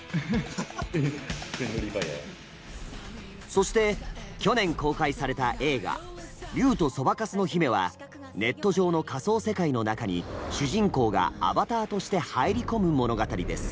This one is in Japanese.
そして去年公開された映画「竜とそばかすの姫」はネット上の仮想世界の中に主人公が「アバター」として入り込む物語です。